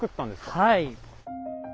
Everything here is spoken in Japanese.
はい。